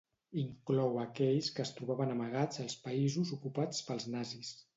Inclou aquells que es trobaven amagats als països ocupats pels nazis.